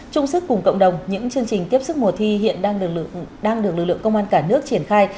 trung sức cùng cộng đồng những chương trình tiếp sức mùa thi hiện đang được lực lượng công an cả nước triển khai